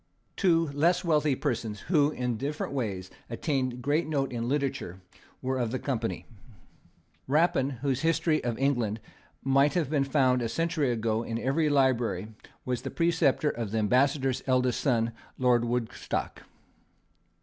Two less wealthy persons, who, in different ways, attained great note in literature, were of the company. Rapin, whose history of England might have been found, a century ago, in every library, was the preceptor of the ambassador's eldest son, Lord Woodstock.